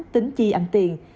tính chi ăn tiền